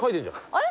あれ？